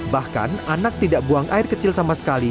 bahkan anak tidak buang air kecil sama sekali